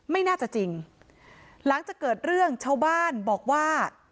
ไม่น่าจะจริงหลังจากเกิดเรื่องชาวบ้านบอกว่า